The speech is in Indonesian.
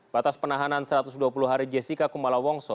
batas penahanan satu ratus dua puluh hari jessica kumala wongso